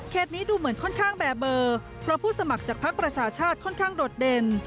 นี้ดูเหมือนค่อนข้างแบบเบอร์เพราะผู้สมัครจากพักประชาชาติค่อนข้างโดดเด่น